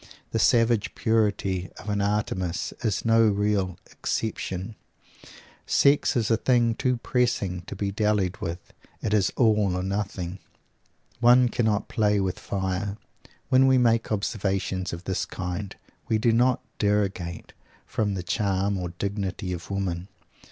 The savage purity of an Artemis is no real exception. Sex is a thing too pressing to be dallied with. It is all or nothing. One cannot play with fire. When we make observations of this kind we do not derogate from the charm or dignity of women.